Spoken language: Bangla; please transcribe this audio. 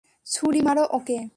ছুরি মারো ওকে!